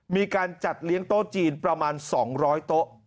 มีการจัดเลี้ยงโต๊ะจีนประมาณ๒๐๐โต๊ะ